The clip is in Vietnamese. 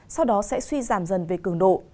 sau đó sẽ suy giảm dần về cường độ